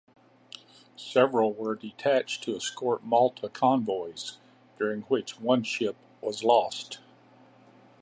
Several were detached to escort Malta convoys, during which one ship was lost.